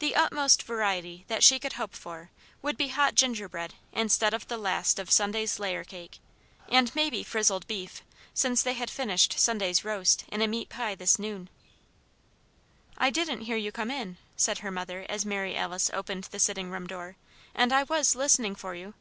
The utmost variety that she could hope for would be hot gingerbread instead of the last of Sunday's layer cake, and maybe frizzled beef, since they had finished Sunday's roast in a meat pie this noon. "I didn't hear you come in," said her mother as Mary Alice opened the sitting room door, "and I was listening for you."